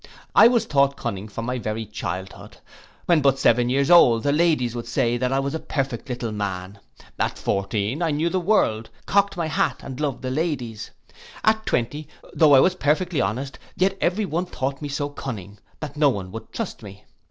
I was thought cunning from my very childhood; when but seven years old the ladies would say that I was a perfect little man; at fourteen I knew the world, cocked my hat, and loved the ladies; at twenty, though I was perfectly honest, yet every one thought me so cunning, that not one would trust me.